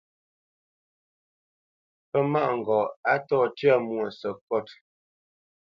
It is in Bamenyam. Pə́ mâʼ ŋgɔʼ a ntô tyə̂ mwo sekot.